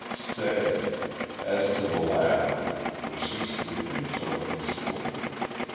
Stay. As to the latter, was he sleeping so peacefully?